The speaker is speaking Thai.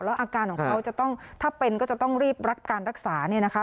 แล้วอาการของเขาจะต้องถ้าเป็นก็จะต้องรีบรับการรักษาเนี่ยนะคะ